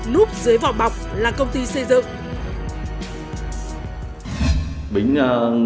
núp dưới vỏ bọc là công ty xây dựng